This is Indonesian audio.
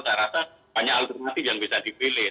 saya rasa banyak alternatif yang bisa dipilih